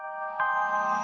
gak ada yang pilih